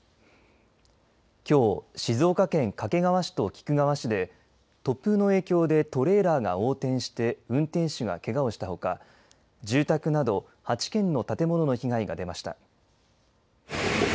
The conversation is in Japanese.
きょう静岡県掛川市と菊川市で突風の影響でトレーラーが横転して運転手が、けがをしたほか住宅など８件の建物の被害が出ました。